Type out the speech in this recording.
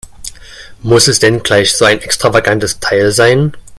Muss es denn gleich so ein extravagantes Teil sein?